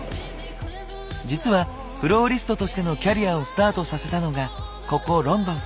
実はフローリストとしてのキャリアをスタートさせたのがここロンドン。